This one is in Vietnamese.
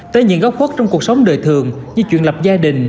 tới những góc khuất trong cuộc sống đời thường như chuyện lập gia đình